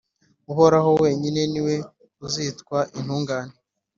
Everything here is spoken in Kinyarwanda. Uhoraho wenyine ni we uzitwa intungane.